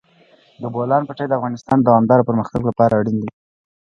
د بولان پټي د افغانستان د دوامداره پرمختګ لپاره اړین دي.